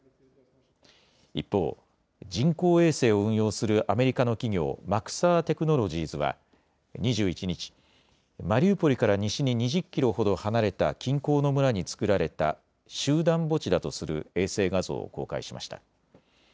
一方、人工衛星を運用するアメリカの企業マクサー・テクノロジーズは２１日、マリウポリから西に２０キロほど離れた近郊の村に作られた集団墓地だとする衛星画像を公開しました。